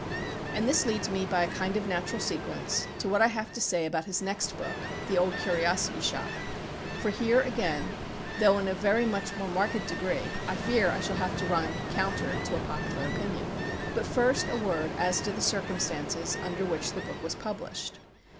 And this leads me, by a kind of natural sequence, to what I have to say about his next book, "The Old Curiosity Shop;" for here, again, though in a very much more marked degree, I fear I shall have to run counter to a popular opinion. But first a word as to the circumstances under which the book was published.